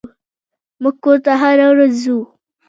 موږ کور ته هره ورځ ځو.